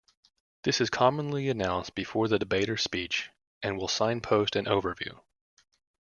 This is commonly announced before the debater's speech and will signpost an overview.